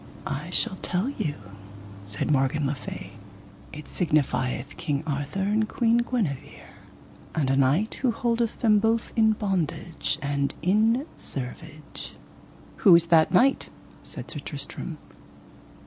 I shall tell you, said Morgan le Fay, it signifieth King Arthur and Queen Guenever, and a knight who holdeth them both in bondage and in servage. Who is that knight? said Sir Tristram.